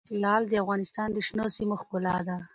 لعل د افغانستان د شنو سیمو ښکلا ده.